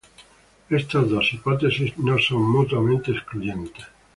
Estas dos hipótesis no son mutuamente excluyentes.